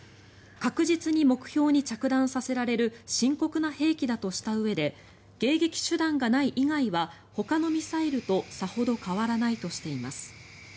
確実に目標に着弾させられる深刻な兵器だとしたうえで迎撃手段がない以外はほかのミサイルとさほど変わらないとしています。